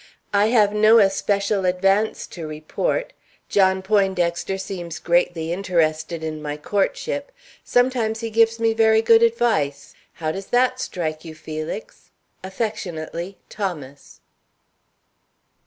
I have no especial advance to report. John Poindexter seems greatly interested in my courtship. Sometimes he gives me very good advice. How does that strike you, Felix? Aff., THOMAS.